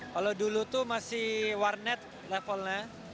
kalau dulu itu masih warnet levelnya